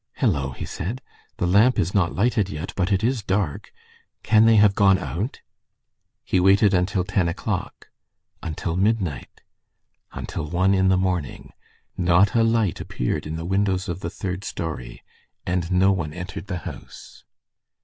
"Hello!" he said, "the lamp is not lighted yet. But it is dark. Can they have gone out?" He waited until ten o'clock. Until midnight. Until one in the morning. Not a light appeared in the windows of the third story, and no one entered the house.